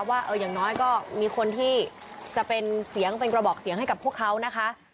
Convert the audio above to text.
ว่าอย่างน้อยก็มีคนที่จะเป็นเสียงเป็นกระบอกเสียงให้กับพวกเขานะคะ